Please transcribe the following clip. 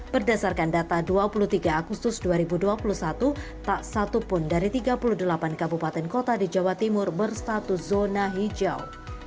berdasarkan data dua puluh tiga agustus dua ribu dua puluh satu tak satupun dari tiga puluh delapan kabupaten kota di jawa timur berstatus zona hijau